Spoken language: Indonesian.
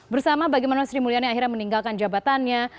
bersama bagaimana sri mulyani akhirnya meninggalkan jabatannya